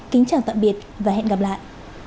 kính chào tạm biệt và hẹn gặp lại